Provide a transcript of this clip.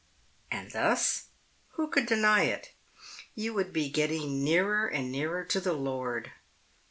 And thus who could deny it? you would be getting nearer and nearer to the Lord.